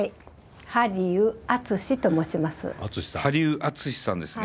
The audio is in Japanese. ハリウアツシと申します。